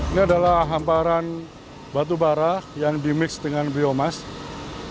ini adalah hamparan batu bara yang dimix dengan gunung